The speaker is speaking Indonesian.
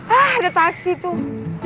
ah ada taksi tuh